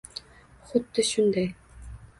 Huddi shunday.